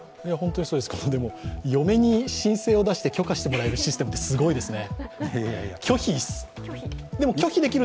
でも嫁に申請を出して許可してもらえるシステムってすごいですね。